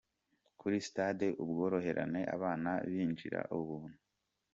Kuri sitade Ubworoherane abana binjirira ubuntu.